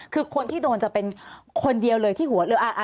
คือคนที่โดนจะเป็นคนเดียวเลยที่หัวเรือ